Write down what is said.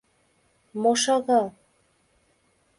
— Мо шагал?